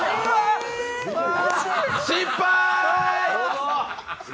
失敗！